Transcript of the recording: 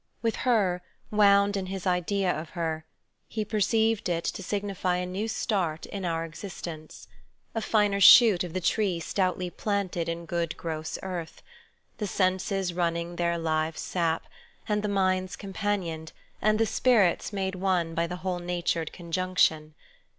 With her, wound in his idea of her, he perceived it to signify a new start in our existence, a finer shoot of the tree stoutly planted in good gross earth; the senses running their live sap, and the minds companioned, and the spirits made one by the whole natured conjunction.